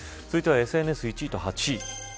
続いてはＳＮＳの１位と８位。